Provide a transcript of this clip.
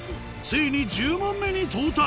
ついに１０問目に到達！